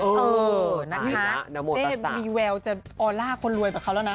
เออนะคะเจ๊มีแววจะออลล่าคนรวยกับเขาแล้วนะ